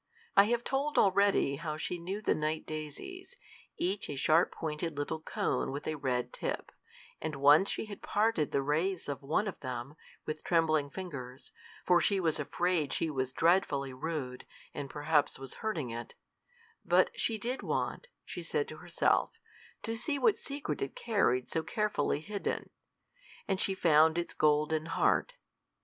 I have told already how she knew the night daisies, each a sharp pointed little cone with a red tip; and once she had parted the rays of one of them, with trembling fingers, for she was afraid she was dreadfully rude, and perhaps was hurting it; but she did want, she said to herself, to see what secret it carried so carefully hidden; and she found its golden heart.